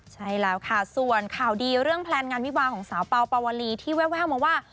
ใช่แล้วค่ะส่วนข่าวดีเรื่องแพลนงานวิวาของสาวเปล่าปาวลีที่แววมาว่า